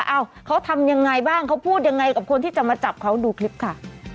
เอ้าเขาทำยังไงบ้างเขาพูดยังไงกับคนที่จะมาจับเขาดูคลิปค่ะ